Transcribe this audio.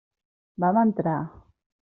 Vam entrar.